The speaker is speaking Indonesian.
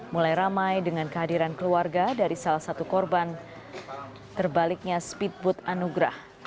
mulai ramai dengan kehadiran keluarga dari salah satu korban terbaliknya speedboat anugrah